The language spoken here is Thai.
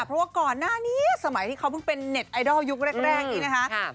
เพราะว่าก่อนหน้านี้สมัยที่เขาเพิ่งเป็นเน็ตไอดอลยุคแรกนี้นะคะ